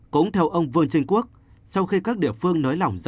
cũng theo ông vương trinh quốc sau khi các địa phương nới lỏng